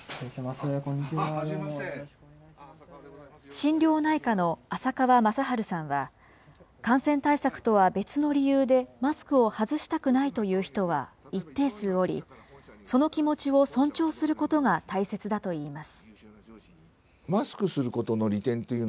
心療内科の浅川雅晴さんは、感染対策とは別の理由でマスクを外したくないという人は一定数おり、その気持ちを尊重することが大切だといいます。